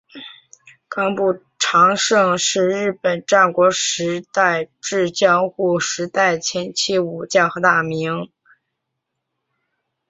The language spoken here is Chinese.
冈部长盛是日本战国时代至江户时代前期武将和大名。